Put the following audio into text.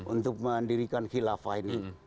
untuk mendirikan khilafah ini